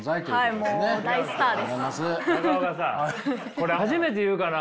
これ初めて言うかな。